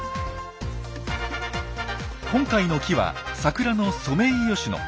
今回の木はサクラのソメイヨシノ。